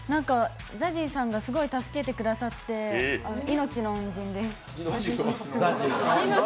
ＺＡＺＹさんがすごい助けてくださって、命の恩人です。